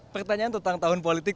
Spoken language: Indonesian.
pertanyaan tentang tahun politik